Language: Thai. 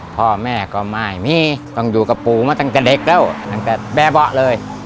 พ่อแม่ก็ไม่มีต้องอยู่กับปู่มาตั้งแต่เด็กแล้วตั้งแต่แบบเบาะเลย